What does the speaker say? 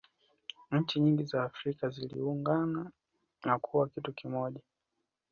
nchi nyingin za afrika ziliungana na kuwa kitu kimoja